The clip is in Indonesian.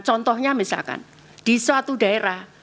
contohnya misalkan di suatu daerah